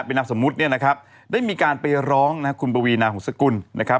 เป็นนามสมมุติเนี่ยนะครับได้มีการไปร้องนะครับคุณปวีนาหงษกุลนะครับ